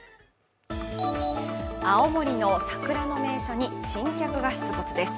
青森の桜の名所に珍客が出没です。